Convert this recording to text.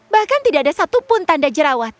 bahkan tidak ada satupun tanda jerawat